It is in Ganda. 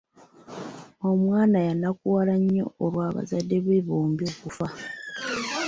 Omwana yanakuwala nnyo olwa bazadde be bombi okufa.